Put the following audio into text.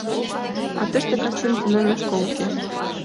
А тыште кастен тунемме школ уке.